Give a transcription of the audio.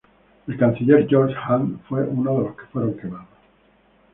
El canciller Georg Hahn fue uno de los que fueron quemados.